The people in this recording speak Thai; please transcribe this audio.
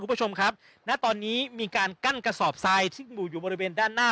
คุณผู้ชมครับณตอนนี้มีการกั้นกระสอบทรายที่หมู่อยู่บริเวณด้านหน้า